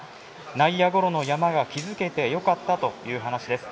内野ゴロの山が築けてよかったという話です。